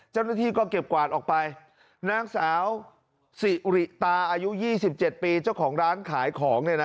เจ้าหน้าที่ก็เก็บกวาดออกไปนางสาวสิริตาอายุ๒๗ปีเจ้าของร้านขายของเนี่ยนะ